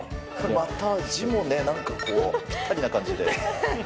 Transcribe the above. また字もね、なんかこう、ぴったりな感じで。